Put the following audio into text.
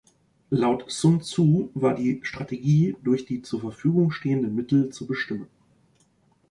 Laut Sun-Tsu war die Strategie durch die zur Verfügung stehenden Mittel zu bestimmen.